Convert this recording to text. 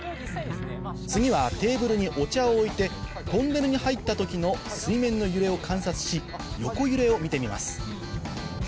次はテーブルにお茶を置いてトンネルに入った時の水面の揺れを観察し横揺れを見てみます